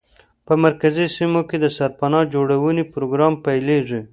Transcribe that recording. په مرکزي سیمو کې د سرپناه جوړونې پروګرام پیلېږي.